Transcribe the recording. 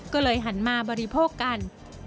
ก็เลยหันมาบริโภคกัน